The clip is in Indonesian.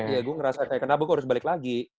ya gue ngerasa kayak kenapa gue harus balik lagi